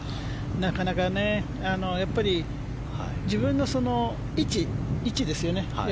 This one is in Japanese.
なかなか、やっぱり自分の位置ですよね。